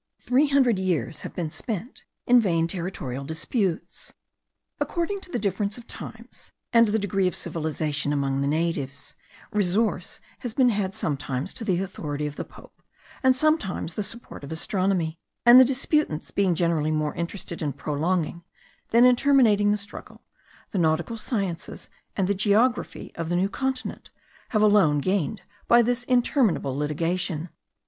Three hundred years have been spent in vain territorial disputes. According to the difference of times, and the degree of civilization among the natives, resource has been had sometimes to the authority of the Pope, and sometimes the support of astronomy; and the disputants being generally more interested in prolonging than in terminating the struggle, the nautical sciences and the geography of the New Continent, have alone gained by this interminable litigation.